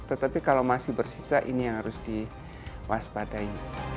tetapi kalau masih bersisa ini yang harus diwaspadai